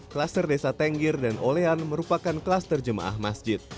klaster desa tenggir dan olean merupakan klaster jemaah masjid